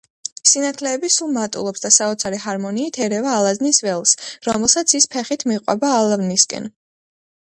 სინათლეები სულ მატულობს და საოცარი ჰარმონიით ერევა ალაზნის ველს, რომელსაც ის ფეხით მიჰყვება ალვანისაკენ.